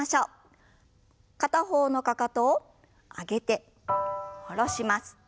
片方のかかとを上げて下ろします。